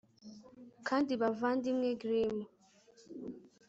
Kandi Bavandimwe Grimm